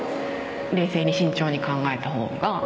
冷静に慎重に考えたほうが。